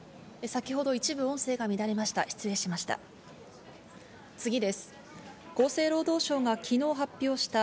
先ほど一部音声が乱れました、失礼いたしました。